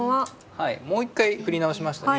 はいもう一回振り直しましたね